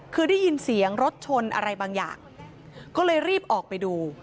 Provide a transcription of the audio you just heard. คือได้ยินเสียงรถชนอะไรบางอย่างก็เลยรีบออกไปดู